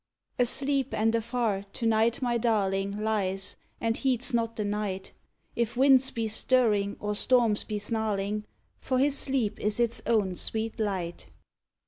III Asleep and afar to night my darling Lies, and heeds not the night, If winds be stirring or storms be snarling; For his sleep is its own sweet light.